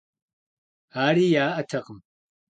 Ари яӏэтэкъым.